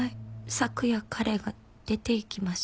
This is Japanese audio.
「昨夜彼が出て行きました」